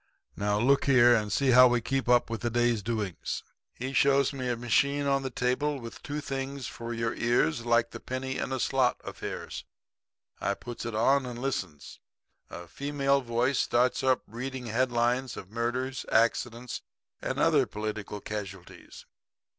Now, look here, and see how we keep up with the day's doings.' "He shows me a machine on a table with two things for your ears like the penny in the slot affairs. I puts it on and listens. A female voice starts up reading headlines of murders, accidents and other political casualities.